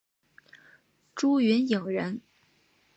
朱云影人。